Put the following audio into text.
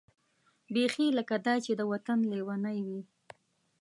بېخي لکه دای چې د وطن لېونۍ وي.